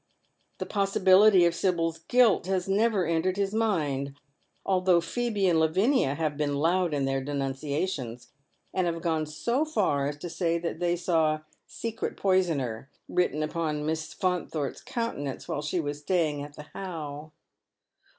Tlio possibility of Sibyl's guilt has never entered his mind, althougli Phoebe and Lavinia have been loud in their denunciations, and have gone so far as to say that they saw " secret poisoner " written upon Miss Faunthorpe's countenance while she was staying at the How.